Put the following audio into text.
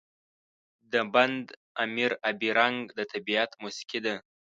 د بند امیر آبی رنګ د طبیعت موسيقي ده.